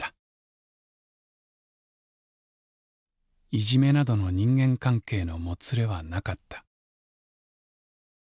「いじめなどの人間関係のもつれはなかった」。